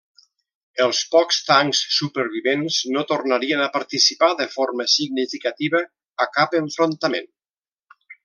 Els pocs tancs supervivents no tornarien a participar de forma significativa a cap enfrontament.